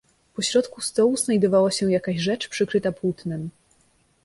"Po środku stołu znajdowała się jakaś rzecz, przykryta płótnem."